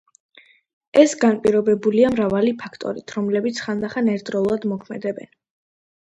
ეს განპირობებულია მრავალი ფაქტორით რომლებიც ხანდახან ერთდროულად მოქმედებენ